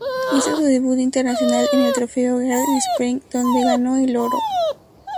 Hizo su debut internacional en el Trofeo "Gardena Spring" donde ganó el oro.